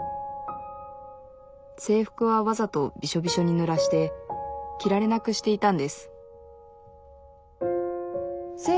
制服はわざとビショビショにぬらして着られなくしていたんです